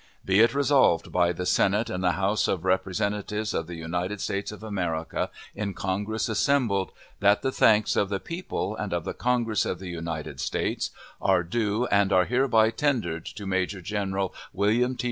Be it resolved by the Senate and House of Representatives of the United States of America in Congress assembled, That the thanks of the people and of the Congress of the United States are due and are hereby tendered to Major General William T.